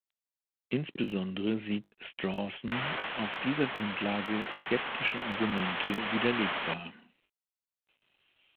Insbesondere sieht Strawson auf dieser Grundlage skeptische Argumente widerlegbar.